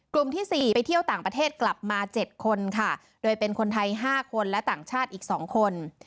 ที่๔ไปเที่ยวต่างประเทศกลับมา๗คนค่ะโดยเป็นคนไทย๕คนและต่างชาติอีก๒คน